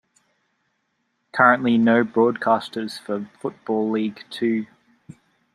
Currently no broadcasters for Football League Two.